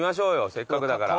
せっかくだから。